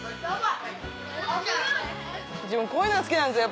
自分こういうの好きなんですよ